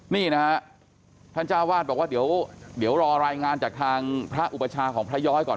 นี่นะฮะท่านเจ้าวาดบอกว่าเดี๋ยวรอรายงานจากทางพระอุปชาของพระย้อยก่อน